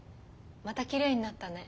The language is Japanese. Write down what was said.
またきれいになったね。